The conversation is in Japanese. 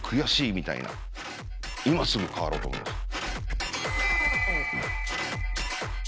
今すぐ変わろうと思いました。